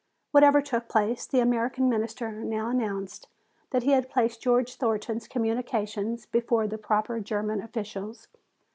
Whatever took place the American Minister now announced that he had placed Judge Thornton's communications before the proper German officials.